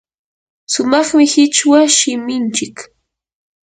sumaqmi qichwa shiminchik.